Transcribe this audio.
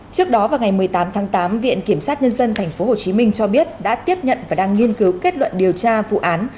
trước đó vào ngày một mươi tám tháng tám viện kiểm sát nhân dân tp hcm cho biết đã tiếp nhận và đang nghiên cứu kết luận điều tra vụ án